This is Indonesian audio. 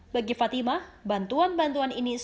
bagi fatimah bantuan bantuan ini tidak diperlukan